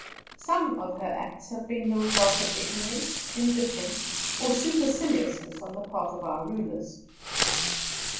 Some of her acts have been the result of ignorance, indifference, or superciliousness on the part of our rulers.